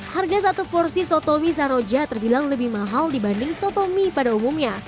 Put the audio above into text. harga satu porsi soto mie saroja terbilang lebih mahal dibanding soto mie pada umumnya